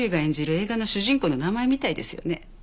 映画の主人公の名前みたいですよね。